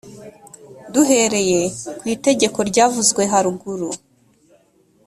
duhereye ku itegeko ryavuzwe haruguru